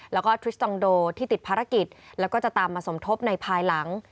แล้วก็ทริสตองโดที่ติดภารกิจแล้วก็จะตามมาสมทบในภายหลัง